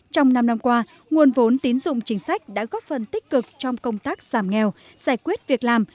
trong năm năm qua nguồn vốn tín dụng chính sách đã góp phần tích cực trong công tác giảm nghèo giải quyết việc làm